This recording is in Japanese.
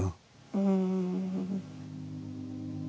うん。